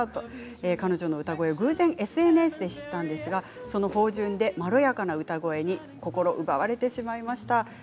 彼女の歌声を偶然前ＳＮＳで知ったんですがその芳じゅんでまろやかな歌声に心奪われてしまいました。